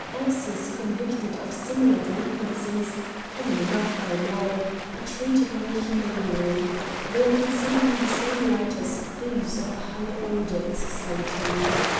Asses convicted of similar delinquencies — common enough, by the way — are treated more humanely. They are considered in the same light as thieves of a higher order in society.